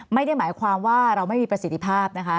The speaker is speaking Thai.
ไม่ได้หมายความว่าเราไม่มีประสิทธิภาพนะคะ